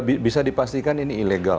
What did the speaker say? nah ini bisa dipastikan ini ilegal